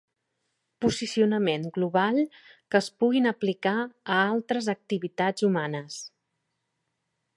Posicionament Global que es puguin aplicar a altres activitats humanes.